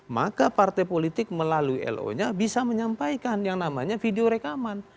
maka partai politik melalui lo nya bisa menyampaikan yang namanya video rekaman